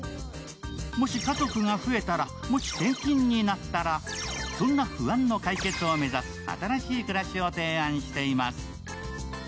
もし、家族が増えたら、もし転勤になったら、そんな不安の解決を目指す、新しい暮らしを提案しています。